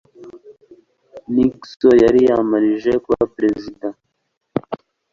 Nixon yariyamamarije kuba perezida .